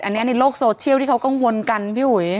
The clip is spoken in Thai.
อันนี้ในโลกโซเชียลที่เขากังวลกันพี่อุ๋ย